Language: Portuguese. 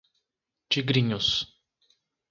Tigrinhos